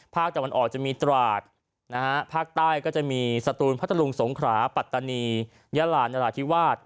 ภาคตะวันออกจะมีตราดนะฮะภาคใต้ก็จะมีสตูนพัทธลุงสงขราปัตตานียาลานราธิวาส